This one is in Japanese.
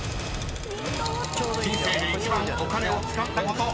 ［人生で一番お金を使ったこと。